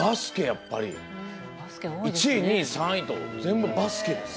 やっぱり１位２位３位と全部バスケです。